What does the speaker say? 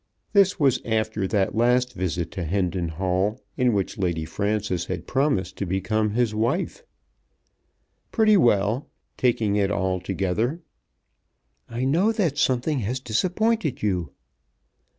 This was after that last visit to Hendon Hall, in which Lady Frances had promised to become his wife. "Pretty well, taking it altogether." "I know that something has disappointed you."